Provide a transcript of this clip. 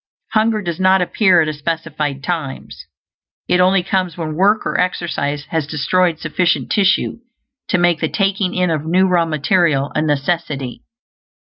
Hunger does not appear at specified times. It only comes when work or exercise has destroyed sufficient tissue to make the taking in of new raw material a necessity.